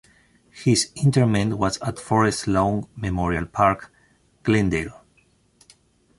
His interment was at Forest Lawn Memorial Park, Glendale.